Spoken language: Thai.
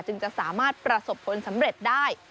จะสามารถประสบผลสำเร็จได้